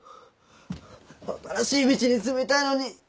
新しい道に進みたいのに。